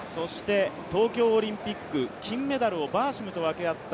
東京オリンピック金メダルをバーシムと分け合った